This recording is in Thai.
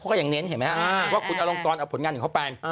เขาก็ยังเน้นเห็นไหมว่าคุณอลงกรเอาผลงานของเขาไป